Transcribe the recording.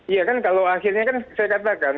iya kan kalau akhirnya kan saya katakan